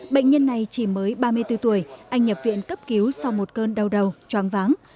bệnh nhân này chỉ mới ba mươi bốn tuổi anh nhập viện cấp cứu sau một cơn đau đầu choáng váng